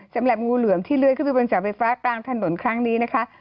สำหรับงูเหลือมที่เลื้อยขึ้นไปบนเสาไฟฟ้ากลางถนนครั้งนี้นะคะ